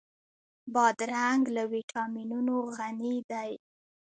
بادرنګ له ويټامینونو غني دی.